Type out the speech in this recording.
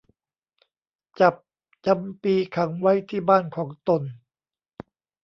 จับจำปีขังไว้ที่บ้านของตน